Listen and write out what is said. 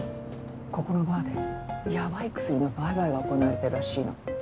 ここのバーでヤバい薬の売買が行なわれてるらしいの。